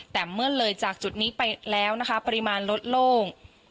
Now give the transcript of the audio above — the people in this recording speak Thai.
แต่เมื่อเลยจากจุดนี้ไปแล้วนะคะปริมาณลดลง